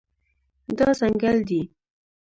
دا ځنګل دی